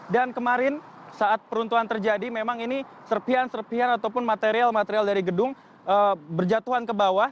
dan kemarin saat peruntuhan terjadi memang ini serpian serpian ataupun material material dari gedung berjatuhan ke bawah